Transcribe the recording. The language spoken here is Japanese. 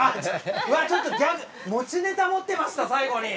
うわっちょっとギャグ持ちネタ持ってました最後に。